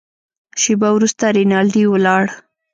شېبه وروسته رینالډي ولاړ.